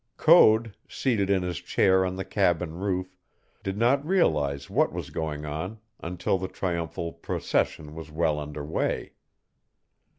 Code, seated in his chair on the cabin roof, did not realize what was going on until the triumphal procession was well under way.